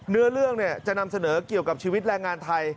เนื้อเรื่องจะนำเสนอเกี่ยวกับชีวิตแรงงานไทย